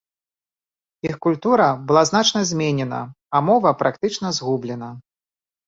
Іх культура была значна зменена, а мова практычна згублена.